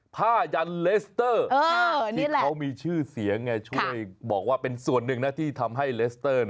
ผ้ายันเลสเตอร์ที่เขามีชื่อเสียงช่วยบอกว่าเป็นส่วนหนึ่งนะที่ทำให้เลสเตอร์